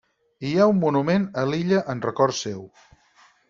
Hi ha un monument a l'illa en record seu.